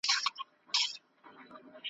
هسي نه سبا پښېمانه سی یارانو ,